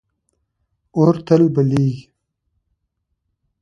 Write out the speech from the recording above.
اور تل بلېږي.